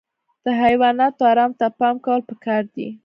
د حیواناتو ارام ته پام کول پکار دي.